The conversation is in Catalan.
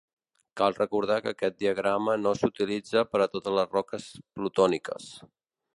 Cal recordar que aquest diagrama no s'utilitza per a totes les roques plutòniques.